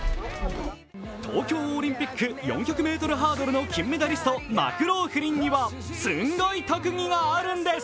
東京オリンピック４００ｍハードルの金メダリストマクローフリンにはすんごい特技があるんです。